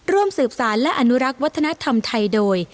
ร่วมสืบสารและอนุรักษ์วัฒนธรรมไทยโดย